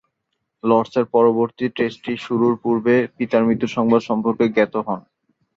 লর্ডসের পরবর্তী টেস্ট শুরুর পূর্বে পিতার মৃত্যু সংবাদ সম্পর্কে জ্ঞাত হন।